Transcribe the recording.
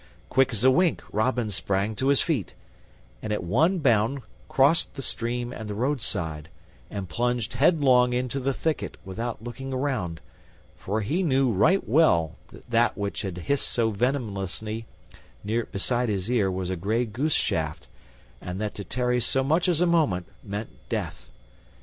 Quick as a wink Robin sprang to his feet, and, at one bound, crossed the stream and the roadside, and plunged headlong into the thicket, without looking around, for he knew right well that that which had hissed so venomously beside his ear was a gray goose shaft, and that to tarry so much as a moment meant death.